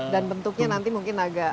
dan bentuknya nanti mungkin agak